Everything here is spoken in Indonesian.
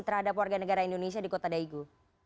terhadap warga negara indonesia di kota daegu